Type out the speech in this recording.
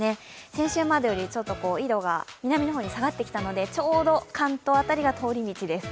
先週までより、ちょっと緯度が南の方まで下がってきたのでちょうど関東辺りが通り道です。